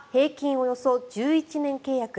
およそ１１年契約。